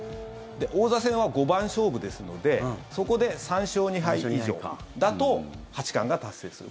王座戦は五番勝負ですのでそこで３勝２敗以上だと八冠が達成する。